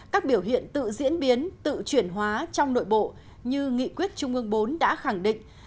các biểu hiện tự diễn biến tự chuyển hóa trong nội bộ như nghị quyết trung ương bốn đã khẳng định